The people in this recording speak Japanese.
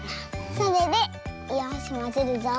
それでよしまぜるぞ。